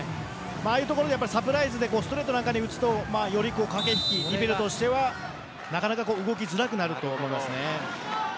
ああいうところでサプライズでストレートなんかに打つとより駆け引き、リベロとしてはなかなか動きづらくなると思いますね。